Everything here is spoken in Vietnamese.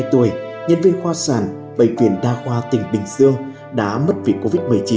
hai mươi tuổi nhân viên khoa sản bệnh viện đa khoa tỉnh bình dương đã mất vì covid một mươi chín